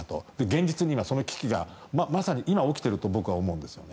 現実にはその危機がまさに今起きていると思うんです。